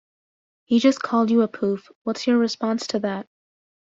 He just called you a poof, what's your response to that?